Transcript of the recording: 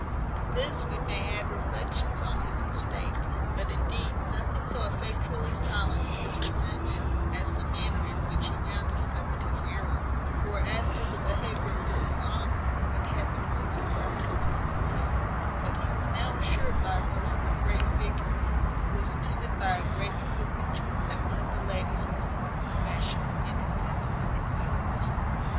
To this we may add reflections on his mistake; but indeed nothing so effectually silenced his resentment as the manner in which he now discovered his error; for as to the behaviour of Mrs Honour, it had the more confirmed him in his opinion; but he was now assured by a person of great figure, and who was attended by a great equipage, that one of the ladies was a woman of fashion, and his intimate acquaintance.